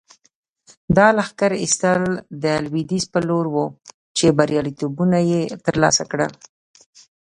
دا لښکر ایستل د لویدیځ په لور وو چې بریالیتوبونه یې ترلاسه کړل.